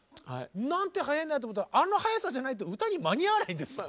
なんて速えんだと思ったらあの速さじゃないと歌に間に合わないんですね。